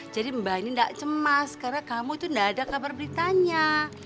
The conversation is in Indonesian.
jadi mbak ini enggak cemas karena kamu itu enggak ada kabar beritanya